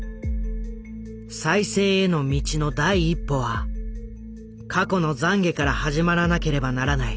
「再生への道の第一歩は『過去の懺悔』から始まらなければならない。